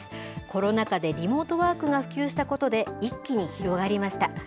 コロナ禍でリモートワークが普及したことで、一気に広がりました。